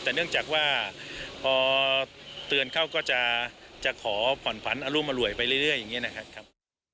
แต่เนื่องจากว่าพอเตือนเข้าก็จะขอผ่อนฝันอรุมอร่วยไปเรื่อยอย่างนี้นะครับ